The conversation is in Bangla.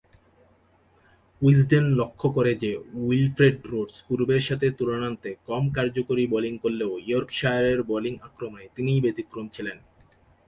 উইজডেন লক্ষ্য করে যে, উইলফ্রেড রোডস পূর্বের সাথে তুলনান্তে কম কার্যকরী বোলিং করলেও ইয়র্কশায়ারের বোলিং আক্রমণে তিনিই ব্যতিক্রম ছিলেন।